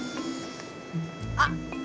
あっ！